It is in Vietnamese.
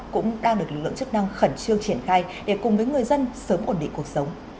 cũng đang được lực lượng chức năng khẩn trương triển khai để cùng với người dân sớm ổn định cuộc sống